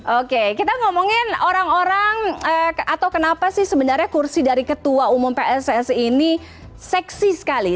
oke kita ngomongin orang orang atau kenapa sih sebenarnya kursi dari ketua umum pssi ini seksi sekali